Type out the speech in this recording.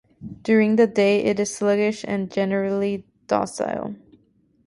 During the day, it is sluggish and generally docile.